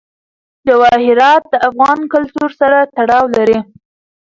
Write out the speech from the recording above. جواهرات د افغان کلتور سره تړاو لري.